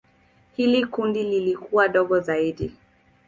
Hili kundi lilikuwa dogo zaidi.